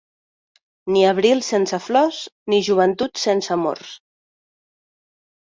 Ni abril sense flors, ni joventut sense amors.